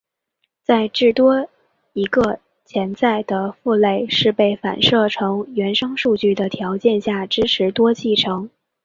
在至多一个潜在的父类是被反射成原生数据的条件下支持多继承。